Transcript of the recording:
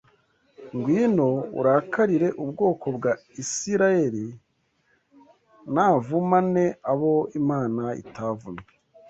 Ngwino urakarire ubwoko bwa Isirayeli,’ Navuma nte abo Imana itavumye?